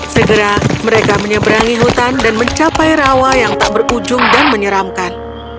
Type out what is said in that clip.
segera mereka menyeberangi hutan dan mencapai rawa yang tak berujung dan menyeramkan